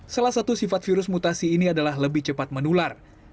salah satu sifat virus mutasi ini adalah lebih cepat menular